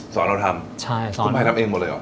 เราทำคุณภัยทำเองหมดเลยเหรอ